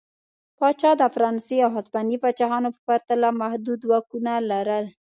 پاچا د فرانسې او هسپانیې پاچاهانو په پرتله محدود واکونه لرل.